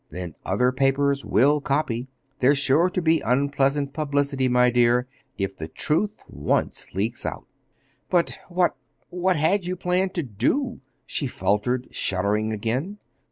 Then other papers will copy. There's sure to be unpleasant publicity, my dear, if the truth once leaks out." "But what—what had you planned to do?" she faltered, shuddering again.